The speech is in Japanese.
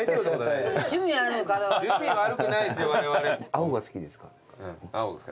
青が好きですか？